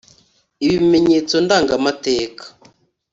Ibimenyetso ndangamateka